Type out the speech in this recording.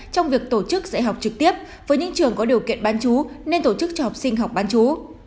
trong việc tổ chức dạy học trực tiếp với những trường có điều kiện bán chú nên tổ chức cho học sinh học bán chú